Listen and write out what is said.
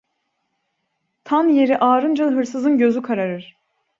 Tan yeri ağarınca hırsızın gözü kararır.